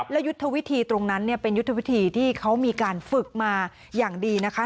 และยุทธวิธีตรงนั้นเป็นยุทธวิธีที่เขามีการฝึกมาอย่างดีนะคะ